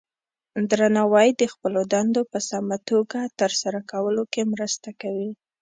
درناوی د خپلو دندو په سمه توګه ترسره کولو کې مرسته کوي.